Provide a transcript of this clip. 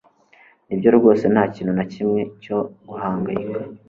Nibyo rwose ntakintu nakimwe cyo guhangayika